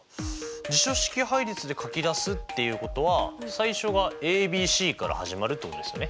辞書式配列で書き出すっていうことは最初がａｂｃから始まるってことですよね。